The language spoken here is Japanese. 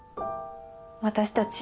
私たち。